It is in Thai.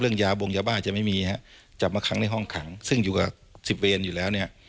ยาบงยาบ้าจะไม่มีฮะจับมาขังในห้องขังซึ่งอยู่กับสิบเวรอยู่แล้วเนี่ย